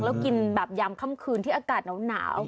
แล้วกินแบบยามค่ำคืนที่อากาศหนาว